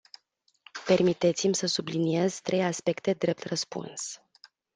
Permiteți-mi să subliniez trei aspecte drept răspuns.